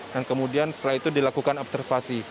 dan kemudian setelah itu dilakukan observasi